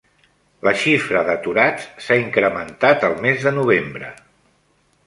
La xifra d'aturats s'ha incrementat el mes de novembre.